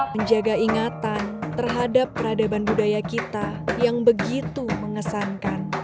menjaga ingatan terhadap peradaban budaya kita yang begitu mengesankan